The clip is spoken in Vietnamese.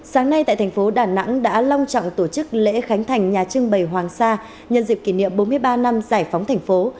sáng nay tại thành phố đà nẵng đã long trọng tổ chức lễ khánh thành nhà trưng bày hoàng sa nhân dịp kỷ niệm bốn mươi ba năm giải phóng thành phố